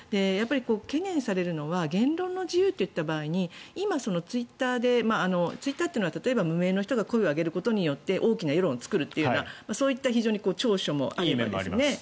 懸念されるのは言論の自由といった場合に今、ツイッターでツイッターというのは無名の人が声を上げることによって大きな世論を作るというようなそういった非常に長所もありますよね。